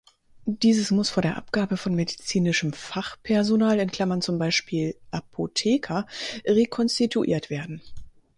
Dieses muss vor der Abgabe von medizinischem Fachpersonal (zum Beispiel Apotheker) rekonstituiert werden.